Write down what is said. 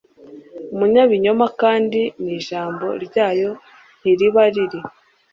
umunyabinyoma kandi n ijambo ryayo ntiriba riri